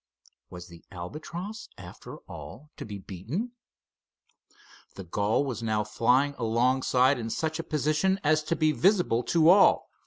Was the Albatross, after all, to be beaten? The gull was now flying alongside in such a position as to be visible to all.